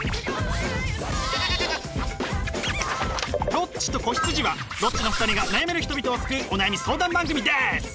「ロッチと子羊」はロッチの２人が悩める人々を救うお悩み相談番組です！